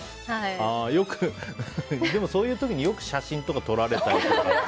そういう時によく写真とか撮られたりとか。